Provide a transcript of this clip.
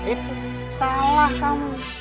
itu salah kamu